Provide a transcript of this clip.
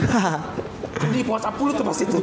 nah jadi post up mulu tuh pasti